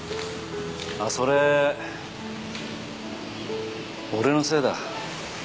それ俺のせいだ。